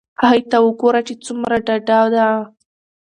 هغې ته وگوره چې څومره ډاډه ده.